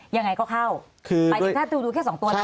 ยังไงก็เข้าคือหมายถึงถ้าดูแค่สองตัวแล้ว